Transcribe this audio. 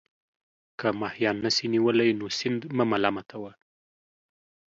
که ماهيان نسې نيولى، نو سيند مه ملامت وه.